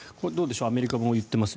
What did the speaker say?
アメリカも言っています